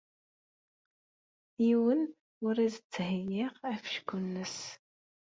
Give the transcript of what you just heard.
Yiwen ur as-d-ttheyyiɣ afecku-nnes.